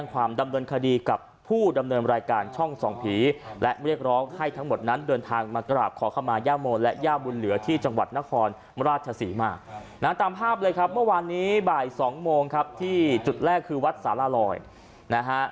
ตามภาพเลยครับเมื่อวานนี้บ่าย๒โมงครับที่จุดแรกคือวัดสารลอยนะฮะ